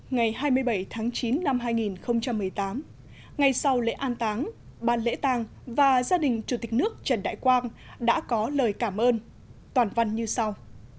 ngày hai mươi bảy tháng chín năm hai nghìn một mươi tám ngay sau lễ an táng ban lễ tàng và gia đình chủ tịch nước trần đại quang đã có lời cảm ơn toàn văn như sau